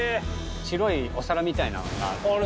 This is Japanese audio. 白いお皿みたいなのがある。